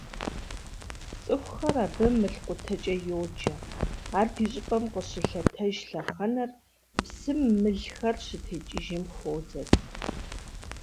ЦӀыхухэр абы «мылкъутэкӀэ» йоджэ, ар ди щӀыпӀэм къыщылъэтэж лъэхъэнэр псым мылхэр щытекӀыжым хуозэри.